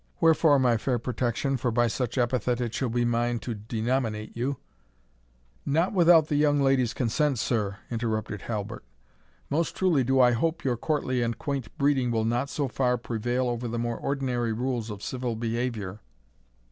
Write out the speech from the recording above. Wherefore, my fair Protection, for by such epithet it shall be mine to denominate you " "Not without the young lady's consent, sir!" interrupted Halbert; "most truly do I hope your courtly and quaint breeding will not so far prevail over the more ordinary rules of civil behaviour."